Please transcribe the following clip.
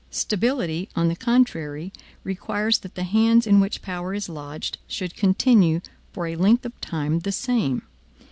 Stability, on the contrary, requires that the hands in which power is lodged should continue for a length of time the same.